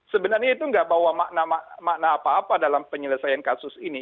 sebenarnya itu nggak bawa makna apa apa dalam penyelesaian kasus ini